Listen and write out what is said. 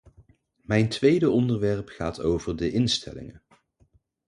Mijn tweede onderwerp gaat over de instellingen.